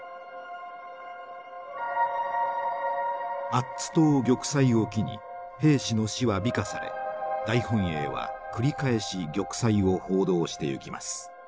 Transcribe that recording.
アッツ島玉砕を機に兵士の死は美化され大本営は繰り返し玉砕を報道していきます。